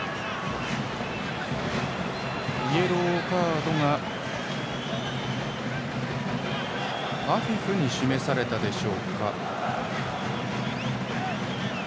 イエローカードがアフィフに示されたでしょうか。